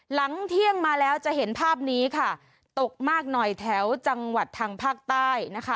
หลังเที่ยงมาแล้วจะเห็นภาพนี้ค่ะตกมากหน่อยแถวจังหวัดทางภาคใต้นะคะ